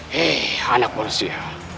hei anak manusia